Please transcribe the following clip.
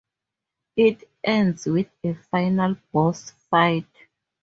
It ends with a final boss fight.